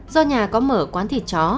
do nhà có mở quán thịt chó